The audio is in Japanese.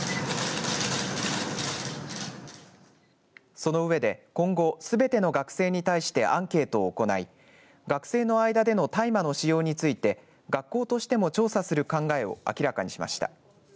その上で今後すべての学生に対してアンケートを行い学生の間での大麻の使用について学校としても調査する考えを明らかにしました。